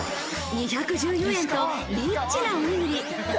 ２１４円とリッチなおにぎり。